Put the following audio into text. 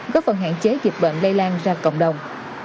góp phần hạn chế dịch bệnh lây lan ra cộng đồng